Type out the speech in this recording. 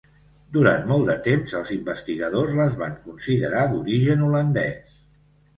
Durant molt de temps, els investigadors les van considerar d'origen holandès.